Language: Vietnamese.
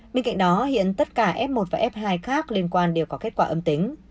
bên cạnh đó hiện tất cả f một và f hai khác liên quan đều có kết quả âm tính